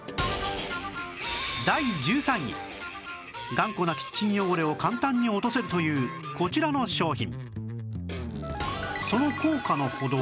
頑固なキッチン汚れを簡単に落とせるというこちらの商品